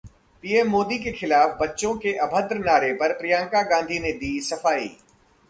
PM Modi के खिलाफ बच्चों के अभद्र नारे पर प्रियंका गांधी ने दी सफाई